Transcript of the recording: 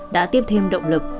đã tiếp thêm động lực